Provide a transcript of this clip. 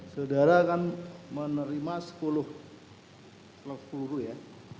saudara kan menerima sepuluh luka